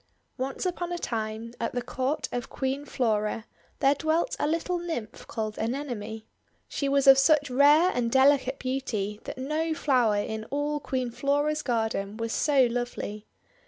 Once upon a time, at the court of Queen Flora, THE FRAIL WINDFLOWER 109 there dwelt a little Nymph called Anemone. She was of such rare and delicate beauty that no flower in all Queen Flora's garden was so lovely.